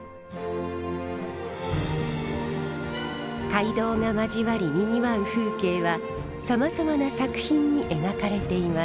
街道が交わりにぎわう風景はさまざまな作品に描かれています。